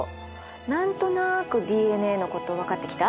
何となくＤＮＡのこと分かってきた？